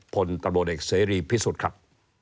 พลตำรวจเอกเสรีพิสุทธิ์ครับ